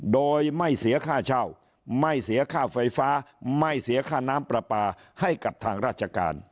โดยไม่เสียค่าเช่าไม่เสียค่าไฟฟ้าไม่เสียค่าน้ำปลาปลาให้กับทางราชการ